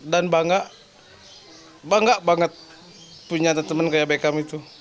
dan bangga bangga banget punya teman kayak beckham itu